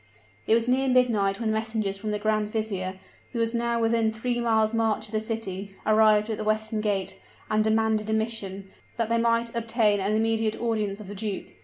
It was near midnight when messengers from the grand vizier, who was now within three miles' march of the city, arrived at the western gate, and demanded admission, that they might obtain an immediate audience of the duke.